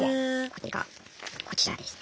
これがこちらですね。